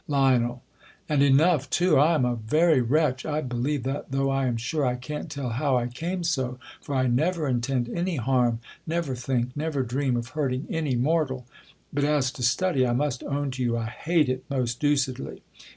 Lion, And enough too. I am a very wretch ! I be lieve that, though 1 am sure I can't tell how I came so ; for I never intend any harm, never think, never dream of hurting any mortal ! But as to study, I must own to you, I hate it most deucedly.